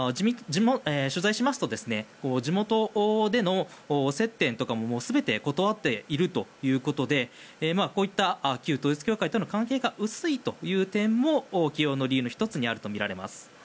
取材しますと地元での接点とかも全て断っているということでこういった旧統一教会との関係が薄いという点も起用の１つに挙げられるとみられます。